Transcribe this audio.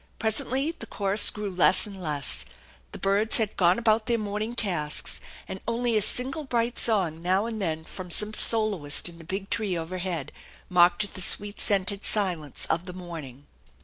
Presently the chorus grew less and less. The birds had gone about their morning tasks, and only a single bright song now and then from some soloist in the big tree overhead marked the sweet scented silence of the morning.